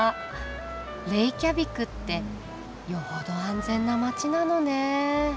レイキャビクってよほど安全な街なのね。